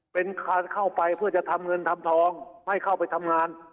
เป็นการเข้าไปเพื่อจะทำเงินทำทองให้เข้าไปทำงาน